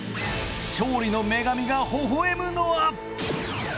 勝利の女神がほほ笑むのは？